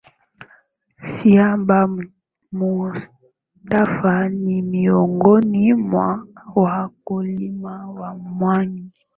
Sihaba Mustafa ni miongoni mwa wakulima wa mwani